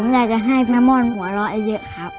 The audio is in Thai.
อยากจะให้แม่ม่อนหัวเราะเยอะครับ